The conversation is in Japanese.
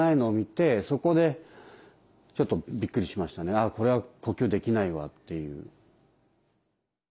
あっこれは呼吸できないわっていう。